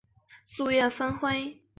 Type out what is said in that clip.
因此这个计划就被终止。